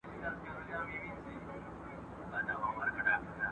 تېر له هري ورځي جنګ اوعداوت سو ..